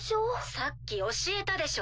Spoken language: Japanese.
さっき教えたでしょ。